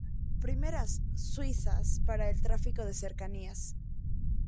Primeras "Suizas" para el tráfico de cercanías.